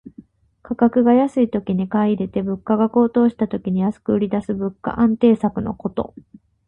価格が安いときに買い入れて、物価が高騰した時に安く売りだす物価安定策のこと。